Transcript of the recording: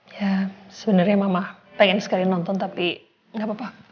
ya sebenernya mama pengen sekalian nonton tapi gapapa